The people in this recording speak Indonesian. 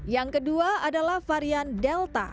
yang kedua adalah varian delta